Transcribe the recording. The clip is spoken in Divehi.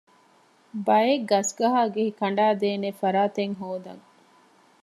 ބައެއް ގަސްގަހާގެހި ކަނޑައިދޭނެ ފަރާތެއް ހޯދަން